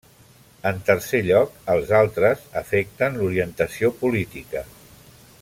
En tercer lloc, els altres afecten l'orientació política.